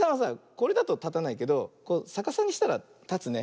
これだとたたないけどさかさにしたらたつね。